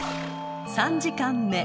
［３時間目］